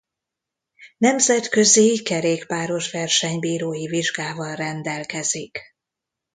Nemzetközi kerékpáros versenybírói vizsgával rendelkezik.